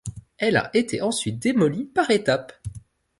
Elle a été ensuite démolie par étapes.